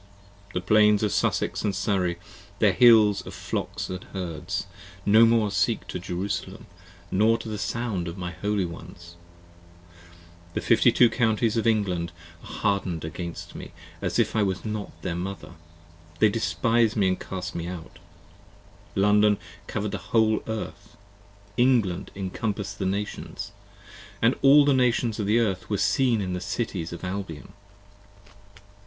The plains of Sussex & Surrey, their hills of flocks & herds, No more seek to Jerusalem nor to the sound of my Holy ones. 20 The Fifty two Counties of England are harden'd against me As if I was not their Mother, they despise me & cast me out. London cover'd the whole Earth, England encompass'd the Nations, And all the Nations of the Earth were seen in the Cities of Albion.